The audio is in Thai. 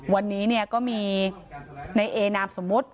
วันนี้ก็มีในเอนามสมมุติ